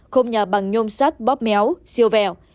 khung nhà bằng nhôm sắt bóp méo siêu vẹo